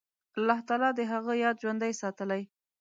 الله تعالی د هغه یاد ژوندی ساتلی.